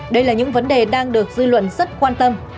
đây là những vấn đề đang được dư luận rất quan tâm